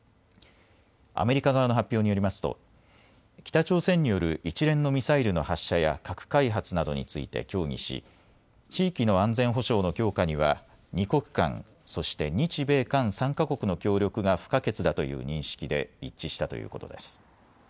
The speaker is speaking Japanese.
アメリカ側の発表によりますと北朝鮮による一連のミサイルの発射や核開発などについて協議し地域の安全保障の強化には２国間、そして日米韓３か国の協力が不可欠だという認識で一致したということです。